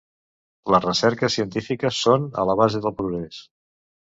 Les recerques científiques són a la base del progrés.